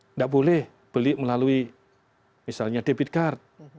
tidak boleh beli melalui misalnya debit card